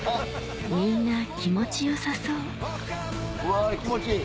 みんな気持ち良さそううわ気持ちいい！